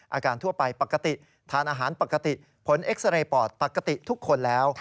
ทั่วไปปกติทานอาหารปกติผลเอ็กซาเรย์ปอดปกติทุกคนแล้ว